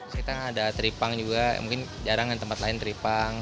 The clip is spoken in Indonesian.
kita ada teripang juga mungkin jarang tempat lain teripang